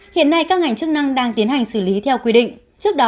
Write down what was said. hiện nay các ngành chức năng đang tiến hành xử lý theo quy định